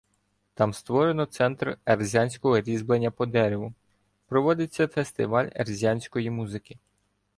Там створено центр ерзянського різьблення по дереву, проводиться фестиваль ерзянської музики.